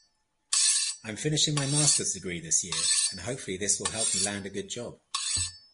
I'm finishing my masters degree this year and hopefully this will help me land a good job.